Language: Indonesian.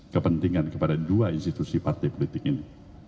kepentingan kepada dua institusi partai politik ini